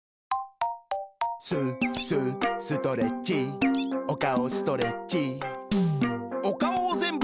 ススストレッチおかおストレッチおかおをぜんぶ